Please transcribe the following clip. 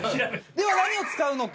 では何を使うのか？